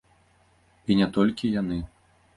І не толькі яны.